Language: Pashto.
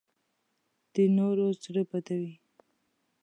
د نورو زړه بدوي